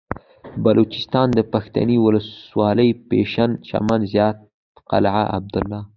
د بلوچستان پښتنې ولسوالۍ پشين چمن زيارت قلعه عبدالله